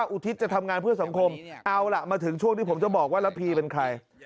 อุทิศจะทำงานเพื่อสังคมเอาล่ะมาถึงช่วงที่ผมจะบอกว่าระพีเป็นใคร